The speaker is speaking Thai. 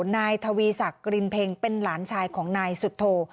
นายทวีศักดิ์รินเพ็งเป็นหลานชายของนายสุโธ